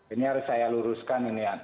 ini harus saya luruskan ini ya